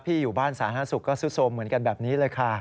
พี่อยู่บ้านสาหร่าศุกร์ก็ซุดซมเหมือนกันแบบนี้เลยค่ะ